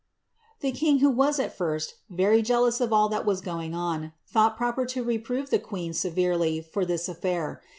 The king, who was at first very jealous of all that was going ooi thought proper to reprove the queen severely for this affiiir.